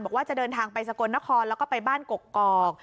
จะเดินทางไปสกลนครแล้วก็ไปบ้านกกอก